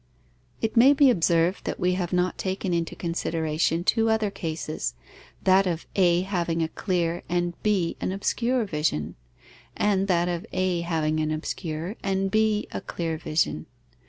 _ It may be observed that we have not taken into consideration two other cases: that of A having a clear and B an obscure vision; and that of A having an obscure and B a clear vision.